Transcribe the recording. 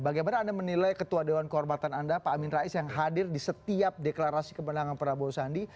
bagaimana anda menilai ketua dewan kehormatan anda pak amin rais yang hadir di setiap deklarasi kemenangan prabowo sandi